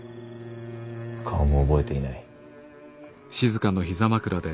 顔も覚えていない。